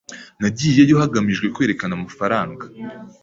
Nagiyeyo hagamijwe kwerekana amafaranga.